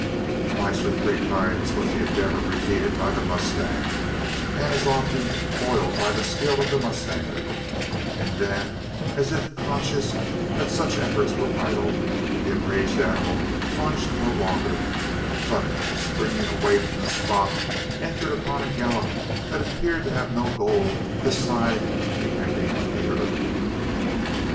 Twice or three times was the endeavour repeated by the mustang, and as often foiled by the skill of the mustanger; and then, as if conscious that such efforts were idle, the enraged animal plunged no longer; but, springing away from the spot, entered upon a gallop that appeared to have no goal this side the ending of the earth.